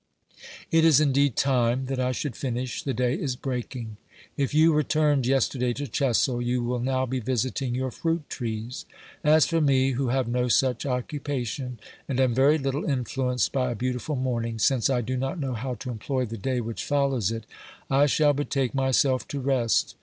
It is indeed time that I should finish ; the day is breaking. If you returned yesterday to Chessel, you will now be visiting your fruit trees. As for me, who have no such occupation and am very little influenced by a beautiful morning, since 224 OBERMANN I do not know how to employ the day which follows it, 1 shall betake myself to rest.